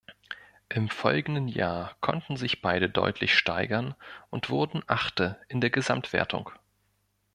Im folgenden Jahr konnten sich beide deutlich steigern und wurden Achte in der Gesamtwertung.